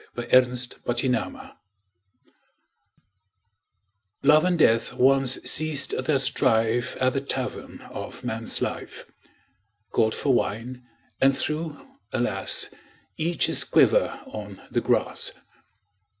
THE EXPLANATION Love and Death once ceased their strife At the Tavern of Man's Life. Called for wine, and threw — alas! — Each his quiver on the grass.